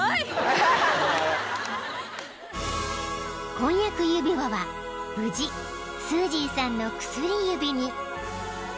［婚約指輪は無事スージーさんの薬指に］